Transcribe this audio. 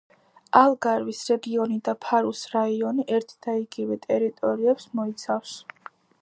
ალგარვის რეგიონი და ფარუს რაიონი ერთიდაიგივე ტერიტორიებს მოიცავს.